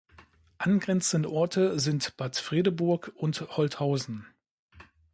Angrenzende Orte sind Bad Fredeburg und Holthausen.